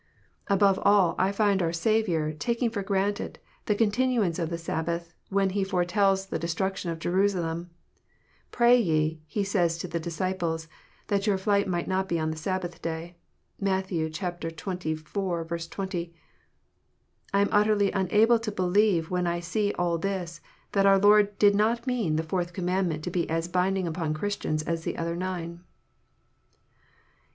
Above all, I find our Saviour taking for granted the continu ance of the Sabbath, when He foretells the destruction of Jerusalem. "Pray ye," He says to the disciples, "that your flight be not on the Sabbath Day." (Matt. xxiv. 20.) I am utterly unable to believe, when I see all this, that our Lord did not mean the Fourth Commandment to be as binding on Christians as the other nine.